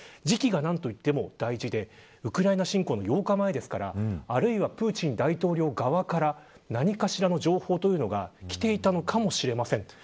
時期が何といっても大事でウクライナ侵攻の８日前ですからあるいはプーチン大統領側から何かしらの情報がきていたのかもしれません。